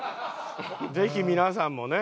ぜひ皆さんもね